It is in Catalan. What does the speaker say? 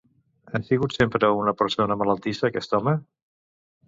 Ha sigut sempre una persona malaltissa aquest home?